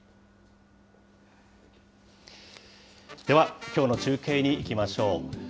では、きょうの中継にいきましょう。